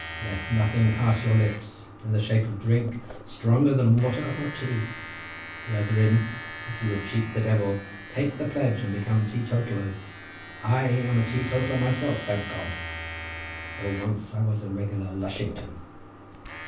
Let nothing pass your lips, in the shape of drink, stronger than water or tea. Brethren, if you would cheat the Devil, take the pledge and become teetotalers. I am a teetotaler myself, thank God—though once I was a regular lushington."